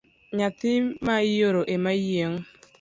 Nyathi maioro emayieng’